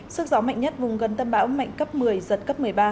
sức gió mạnh nhất vùng gần tâm bão mạnh cấp một mươi giật cấp một mươi ba